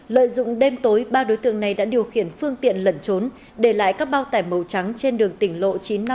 lợi dụng đêm tối ba đối tượng này đã điều khiển phương tiện lẩn trốn để lại các bao tải màu trắng trên đường tỉnh lộ chín trăm năm mươi